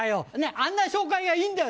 あんな紹介がいいんだよ！